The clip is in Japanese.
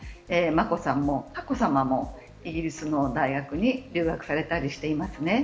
眞子さんも佳子さまもイギリスの大学に留学されたりしていますね。